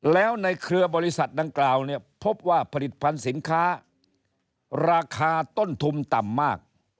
แล้วในเครือบริษัทดังกล่าวเนี่ยพบว่าผลิตภัณฑ์สินค้าราคาต้นทุนต่ำมาก